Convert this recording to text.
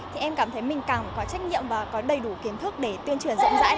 thì em cảm thấy mình càng có trách nhiệm và có đầy đủ kiến thức để tuyên truyền rộng rãi